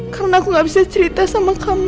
karena aku gak bisa cerita sama kamu